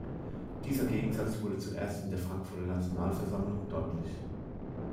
Dieser Gegensatz wurde zuerst in der Frankfurter Nationalversammlung deutlich.